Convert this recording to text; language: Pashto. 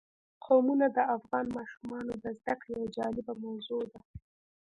قومونه د افغان ماشومانو د زده کړې یوه جالبه موضوع ده.